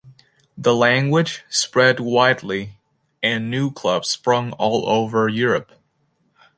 The language spread widely and new clubs sprung all over Europe.